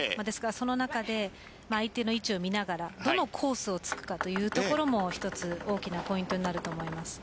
その中で相手の位置を見ながらどのコースを突くかというところも１つ大きなポイントになると思います。